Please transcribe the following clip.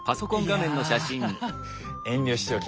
いや遠慮しておきます。